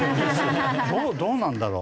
どうなんだろう？